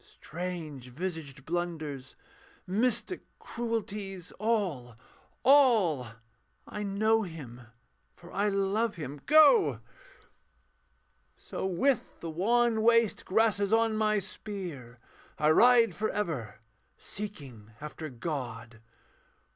Strange visaged blunders, mystic cruelties. All! all! I know Him, for I love Him. Go! So, with the wan waste grasses on my spear, I ride for ever, seeking after God.